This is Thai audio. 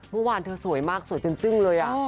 เมื่อวานเธอสวยมากสวยจนจึ้งเลย